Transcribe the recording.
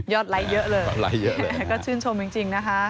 ไลค์เยอะเลยก็ชื่นชมจริงนะคะ